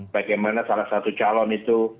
bagaimana salah satu calon itu